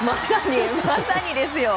まさにですよ。